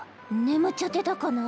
眠っちゃってたかな？